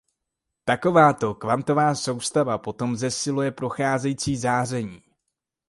Takováto kvantová soustava potom zesiluje procházející záření.